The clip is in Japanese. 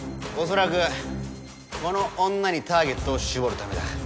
恐らくこの女にターゲットを絞るためだ。